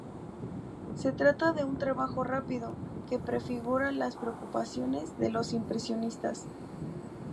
Se trata de un trabajo rápido, que prefigura las preocupaciones de los impresionistas.